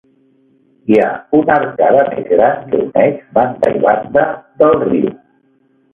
Hi ha una arcada més gran que uneix banda i banda del riu.